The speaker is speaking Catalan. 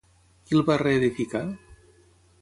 Qui el va reedificar?